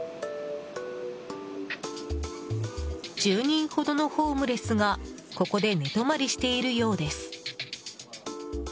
１０人ほどのホームレスがここで寝泊まりしているようです。